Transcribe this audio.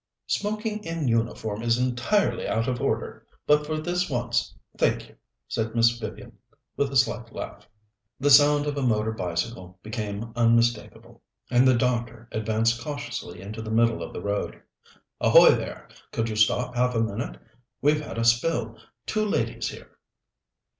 "Smoking in uniform is entirely out of order, but for this once thank you," said Miss Vivian, with a slight laugh. The sound of a motor bicycle became unmistakable, and the doctor advanced cautiously into the middle of the road. "Ahoy, there! Could you stop half a minute? We've had a spill. Two ladies here."